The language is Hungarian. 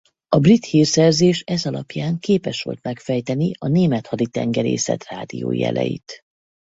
A brit hírszerzés ez alapján képes volt megfejteni a német haditengerészet rádiójeleit.